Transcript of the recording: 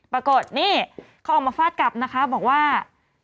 ปรากฏนี่เขาออกมาฟาดกลับนะคะบอกว่า